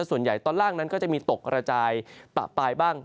ส่วนใหญ่ตอนล่างนั้นก็จะมีตกกระจายปะปลายบ้าง